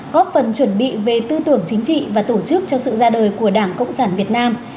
góp phần chuẩn bị về tư tưởng chính trị và tổ chức cho sự ra đời của đảng cộng sản việt nam